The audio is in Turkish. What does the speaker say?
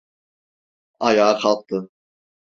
Ayağa kalktı.